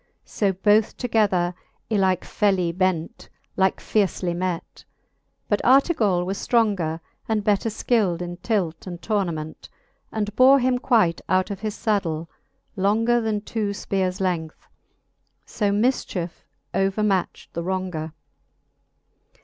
So both together ylike felly bent, Like fiercely met. But Artegall was ftronger, And better fkild in tilt and turnament, And bore him quite out of his ^ddle longer Then two fpeares length; So mifchiefe overmatcht the wronger.